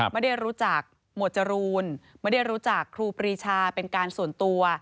ไม่ได้รู้จักหมวดจรูนไม่ได้รู้จักครูปรีชาเป็นการส่วนตัว